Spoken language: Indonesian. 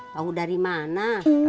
tahu dari mana